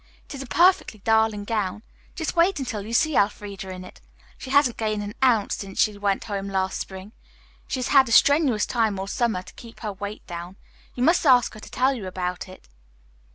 It is a perfectly darling gown. Just wait until you see Elfreda in it. She hasn't gained an ounce since she went home last spring. She has had a strenuous time all summer to keep her weight down. You must ask her to tell you about it."